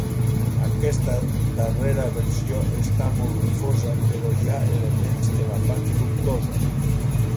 Aquesta darrera versió està molt difosa però hi ha elements que la fan dubtosa.